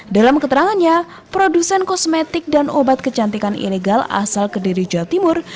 dalam keterangannya produsen kosmetik dan obat kecantikan ilegal asal kediri jawa timur